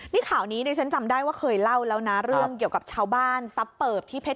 นี่ข่าวนี้นี่ฉันจำได้ว่าเคยเล่าเรื่องเกี่ยวกับเช้าบ้านที่เพศ